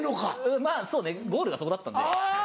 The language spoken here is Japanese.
まぁそうねゴールがそこだったんで。